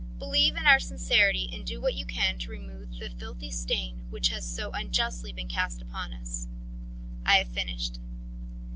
Believe in our sincerity and do what you can to remove the filthy stain which has so unjustly been cast upon us. I have finished."